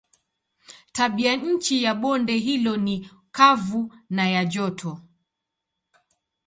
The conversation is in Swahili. Tabianchi ya bonde hilo ni kavu na ya joto.